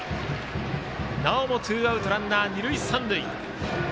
なおもツーアウトランナー、二塁三塁。